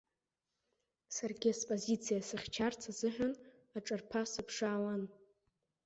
Саргьы спозициа сыхьчарц азыҳәан аҿарԥа сыԥшаауан.